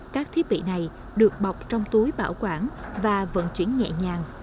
các thiết bị này được bọc trong túi bảo quản và vận chuyển nhẹ nhàng